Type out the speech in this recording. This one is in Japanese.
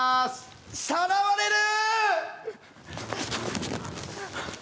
さらわれる！